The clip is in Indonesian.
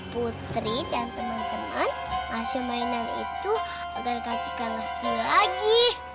putri dan teman teman asyik mainan itu agar kak cika gak sedih lagi